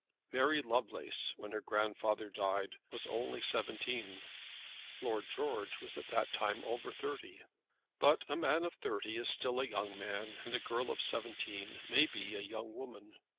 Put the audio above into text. Mary Lovelace, when her grandfather died, was only seventeen. Lord George was at that time over thirty. But a man of thirty is still a young man, and a girl of seventeen may be a young woman.